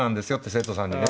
生徒さんにね。